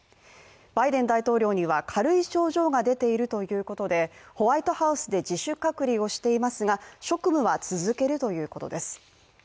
バイデン大統領には軽い症状が出ているということでホワイトハウスで自主隔離をしていますが職務は続けるということです。